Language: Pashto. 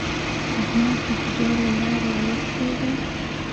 احمد د خدای له لارې اوښتی دی.